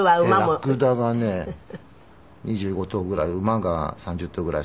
ラクダがね２５頭ぐらい馬が３０頭ぐらい。